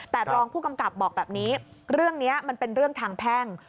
แต่รองผู้กำกับบอกแบบนี้เรื่องนี้มันเป็นเรื่องทางแพ่ง